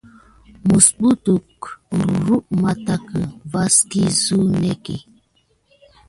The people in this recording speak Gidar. Misbukine kurum mantaki vas suck ya sane neke.